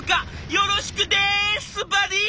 よろしくですバディ！」。